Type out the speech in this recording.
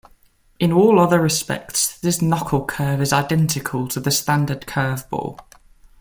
In all other respects, this knuckle curve is identical to the standard curveball.